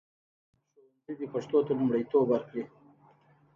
ښوونځي دې پښتو ته لومړیتوب ورکړي.